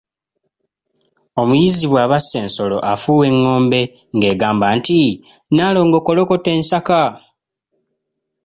Omuyizzi bw'aba asse ensolo afuuwa engombe ng'egamba nti; 'Nnaalongo kolokota ensaka'.